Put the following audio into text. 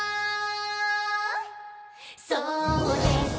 「そうです！」